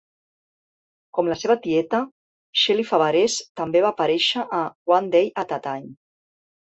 Com la seva tieta, Shelley Fabares també va aparèixer a "One Day at a Time".